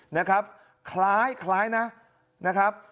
นะครับคล้ายนะ